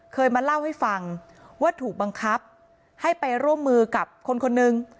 เคยมาเล่าให้ฟังว่าถูกบังคับให้ไปร่วมมือกับคนคนนึง